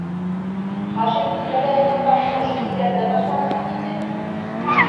Хашимдың бәләһенең башы ошо иҫәрҙән башланды бит инде!